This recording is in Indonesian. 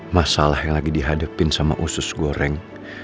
masalah yang lagi dihadapin sama usus goreng